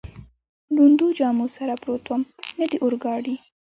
لوندو جامو سره پروت ووم، نه د اورګاډي.